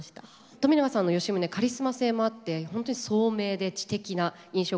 冨永さんの吉宗カリスマ性もあって本当に聡明で知的な印象がありますけれど。